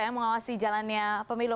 yang mengawasi jalannya pemilu